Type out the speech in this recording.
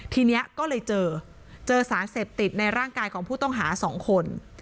ทีนี้ก็เลยเจอเจอสารเสพติดในร่างกายของผู้ต้องหา๒คน